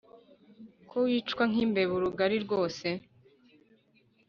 ko wicwa nk’imbeba urugari rwose